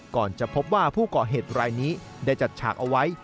ก่อนจะพบว่าผู้ก่อเหตุรายนี้ได้จัดฉากเอาไว้